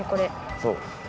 そう。